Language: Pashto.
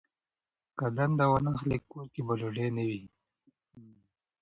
که دنده وانخلي، کور کې به ډوډۍ نه وي.